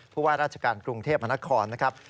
ผู้ว่าราชการกรุงเทพมนครนะครับ